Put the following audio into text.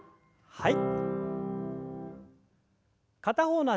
はい。